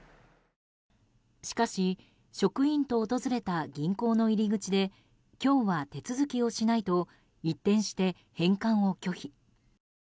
しかし職員と訪れた銀行の入り口で今日は手続きをしないと一転して返還を拒否。